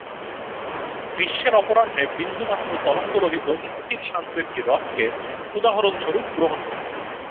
গ্রীষ্মের অপরাহ্নে বিন্দুমাত্র তরঙ্গরহিত স্থির শান্ত একটি হ্রদকে উদাহরণ-স্বরূপ গ্রহণ কর।